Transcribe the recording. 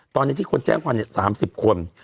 ตอนนี้ที่คนแจ้งความ๓๐คน